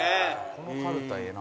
「このかるたええな」